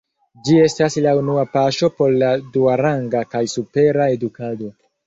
Ĝi estas la unua paŝo por la duaranga kaj supera edukado.